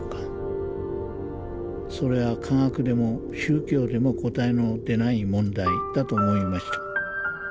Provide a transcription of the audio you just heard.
それは科学でも宗教でも答えの出ない問題だと思いました。